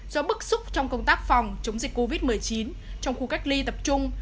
do bức xúc trong công tác phòng chống dịch covid một mươi chín trong khu cách ly tập trung